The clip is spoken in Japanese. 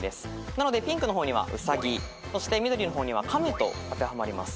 なのでピンクの方には「うさぎ」そして緑の方には「かめ」とあてはまります。